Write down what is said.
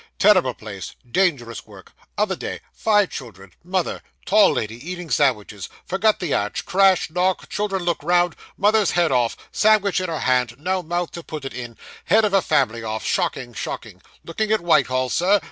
'Terrible place dangerous work other day five children mother tall lady, eating sandwiches forgot the arch crash knock children look round mother's head off sandwich in her hand no mouth to put it in head of a family off shocking, shocking! Looking at Whitehall, sir?